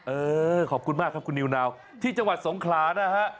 เออขอบคุณมากครับคุณนิวนาวที่จังหวัดสงขลานะฮะ